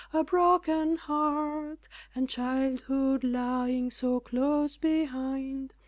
a broken heart, And childhood lying so close behind.